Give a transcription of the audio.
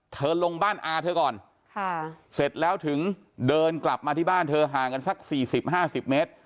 ลงบ้านอาเธอก่อนเสร็จแล้วถึงเดินกลับมาที่บ้านเธอห่างกันสัก๔๐๕๐เมตร